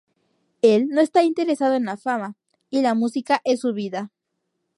Él no está interesado en la fama, y la música es su vida.